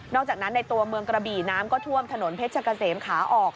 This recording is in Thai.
อกจากนั้นในตัวเมืองกระบี่น้ำก็ท่วมถนนเพชรกะเสมขาออก